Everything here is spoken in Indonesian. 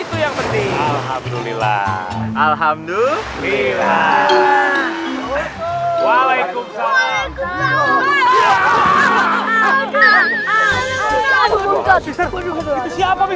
terbukti semuanya jadi kongsi